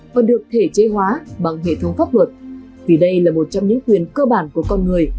và được thể chế hóa bằng hệ thống pháp luật vì đây là một trong những quyền cơ bản của con người